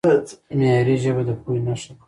معیاري ژبه د پوهې نښه ده.